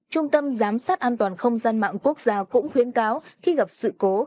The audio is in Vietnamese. trung tâm giám sát an toàn không gian mạng quốc gia cũng khuyến cáo khi gặp sự cố